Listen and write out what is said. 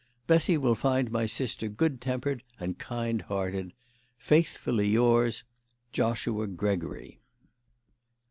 Bessy will find my sister good tempered and kind hearted. Faithfully yours, JOSHUA GREGORY."